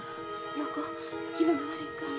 陽子気分が悪いんか？